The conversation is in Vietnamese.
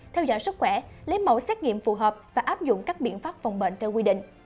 theo dõi sức khỏe lấy mẫu xét nghiệm phù hợp và áp dụng các biện pháp phòng bệnh theo quy định